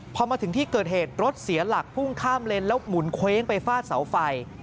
พอมาถึงที่เกิดเหตุรถเสียหลักพุ่งข้ามเลนแล้วหมุนเคว้งไปฟาดเสาไฟ